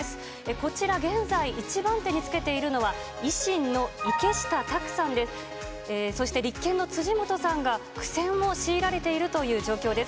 こちら現在、１番手につけているのは、維新の池下卓さんで、そして立憲の辻元さんが苦戦を強いられているという状況です。